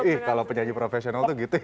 ih kalau penyanyi profesional tuh gitu ya